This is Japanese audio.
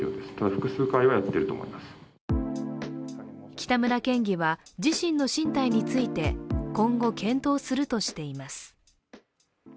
北村県議は自身の進退について今後検討するとしています。